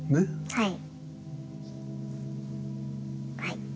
はい。